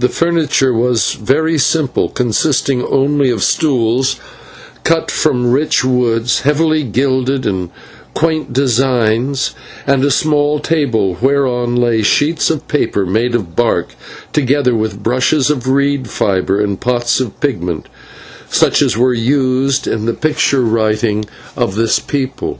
The furniture was very simple, consisting only of stools cut from rich woods heavily gilded in quaint designs, and a small table whereon lay sheets of paper made of bark, together with brushes of reed fibre and pots of pigment, such as were used in the picture writing of this people.